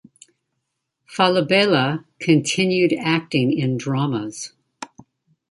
Falabella continued acting in dramas.